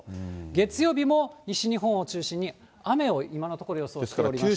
月曜日も西日本を中心に雨を、今のところ予想しておりまして。